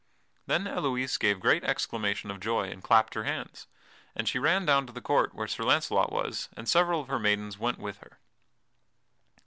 Then Elouise gave great exclamation of joy, and clapped her hands. And she ran down to the court where Sir Launcelot was, and several of her maidens went with her.